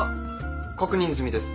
確認済です。